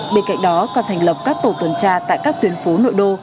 bên cạnh đó còn thành lập các tổ tuần tra tại các tuyến phố nội đô